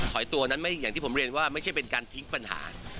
อยตัวนั้นอย่างที่ผมเรียนว่าไม่ใช่เป็นการทิ้งปัญหา